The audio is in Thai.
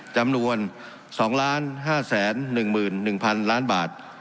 จำนวน๒๕๑๑๐๐๐ล้านบาท